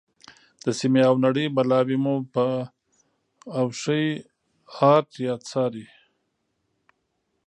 د سیمې او نړۍ بلاوې مو په اوښیártیا څاري.